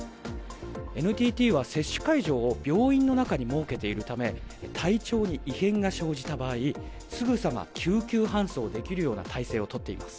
ＮＴＴは接種会場を病院の中に設けているため体調に異変が生じた場合すぐさま、救急搬送できるような体制をとっています。